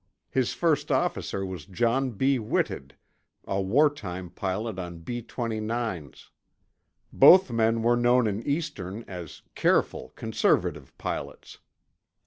His first officer was John B. Whitted, a wartime pilot on B 29's. Both men were known in Eastern as careful, conservative pilots.